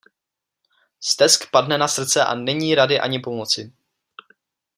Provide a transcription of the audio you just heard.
Stesk padne na srdce a není rady ani pomoci.